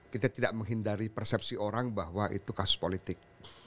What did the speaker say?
kita tidak menghindari persepsi orang bahwa itu kasus politik